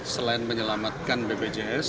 selain menyelamatkan bpjs